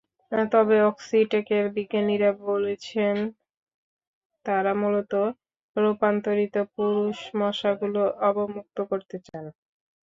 তবে অক্সিটেকের বিজ্ঞানীরা বলছেন, তাঁরা মূলত রূপান্তরিত পুরুষ মশাগুলো অবমুক্ত করতে চান।